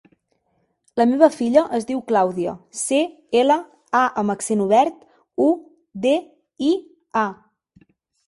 La meva filla es diu Clàudia: ce, ela, a amb accent obert, u, de, i, a.